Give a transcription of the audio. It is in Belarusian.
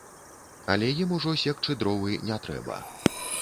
Але ім ужо секчы дровы не трэба.